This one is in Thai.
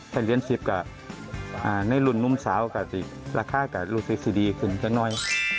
ถ้าเหรียญสิบก็ในรุ่นนุ่มสาวก็จะราคากับรูซีซีดีขึ้นเท่าน้อย